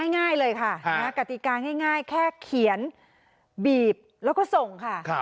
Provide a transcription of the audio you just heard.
ง่ายเลยค่ะกติกาง่ายแค่เขียนบีบแล้วก็ส่งค่ะ